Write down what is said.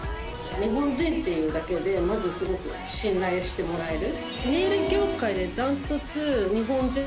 日本人っていうだけでまずすごく信頼してもらえる。